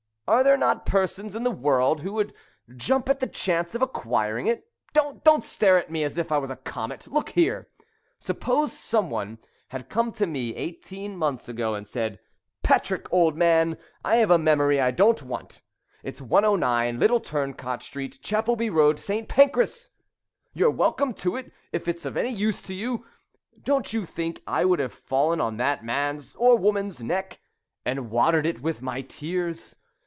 "Are there not persons in the world who would jump at the chance of acquiring it? Don't stare at me as if I was a comet. Look here! Suppose some one had come to me eighteen months ago and said, 'Patrick, old man, I have a memory I don't want. It's 109, Little Turncot Street, Chapelby Road, St. Pancras! You're welcome to it, if it's any use to you.' Don't you think I would have fallen on that man's or woman's neck, and watered it with my tears?